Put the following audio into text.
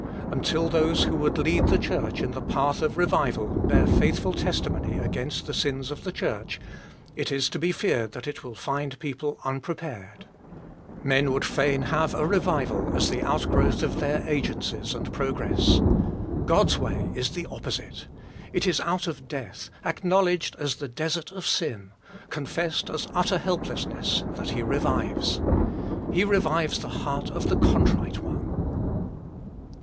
Until those who would lead the Church in the path of revival bear faithful testimony against the sins THE COMING REVIVAL 189 of the Church, it is to feared that it will find people unprepared. Men would fain have a revival as the outgrowth of their agencies and progress. God s way is the opposite : it is out of death, acknowledged as the desert of sin, confessed as utter helplessness, that He revives. He revives the heart of the contrite one.